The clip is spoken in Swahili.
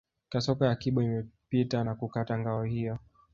Kasoko ya Kibo imepita na kukata ngao hiyo